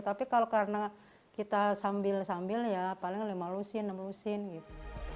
tapi kalau karena kita sambil sambil ya paling lima lusin enam lusin gitu